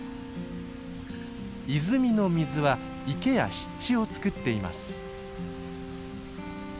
泉の水は池や湿地をつくっています。